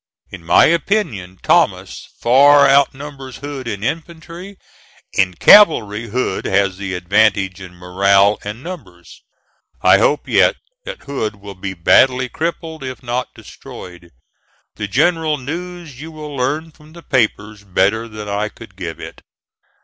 In my opinion, Thomas far outnumbers Hood in infantry. In cavalry, Hood has the advantage in morale and numbers. I hope yet that Hood will be badly crippled if not destroyed. The general news you will learn from the papers better than I could give it.